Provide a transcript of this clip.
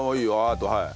あとはい。